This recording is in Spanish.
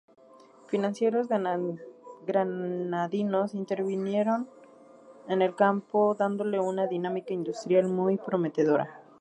Financieros granadinos invirtieron en el campo dándole una dinámica industrial muy prometedora.